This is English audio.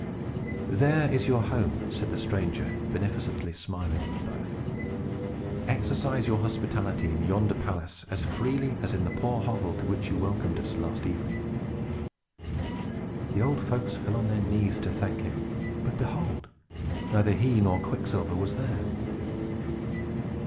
"There is your home," said the stranger, beneficently smiling on them both. "Exercise your hospitality in yonder palace as freely as in the poor hovel to which you welcomed us last evening." The old folks fell on their knees to thank him; but, behold! neither he nor Quicksilver was there.